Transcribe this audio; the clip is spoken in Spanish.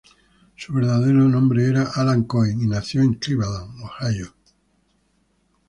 Su verdadero nombre era Alan Cohen, y nació en Cleveland, Ohio.